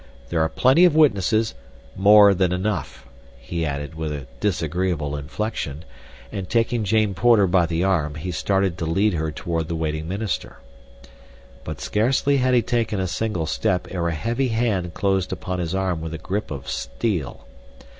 There are plenty of witnesses—more than enough," he added with a disagreeable inflection; and taking Jane Porter by the arm, he started to lead her toward the waiting minister. But scarcely had he taken a single step ere a heavy hand closed upon his arm with a grip of steel.